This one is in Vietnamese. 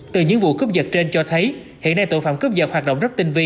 từ những vụ cướp giật trên cho thấy hiện nay tội phạm cướp giật hoạt động rất tinh vi